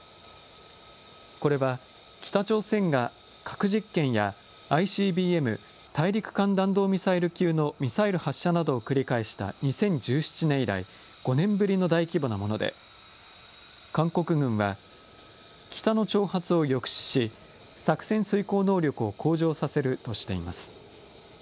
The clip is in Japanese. これは北朝鮮が核実験やＩＣＢＭ・大陸間弾道ミサイル級のミサイル発射などを繰り返した２０１７年以来５年ぶりの大規模なもので、韓国軍は、北の挑発を抑止し、作戦遂行能力を向上させるとしています。